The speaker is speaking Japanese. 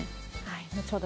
後ほど